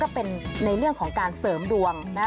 ก็เป็นในเรื่องของการเสริมดวงนะ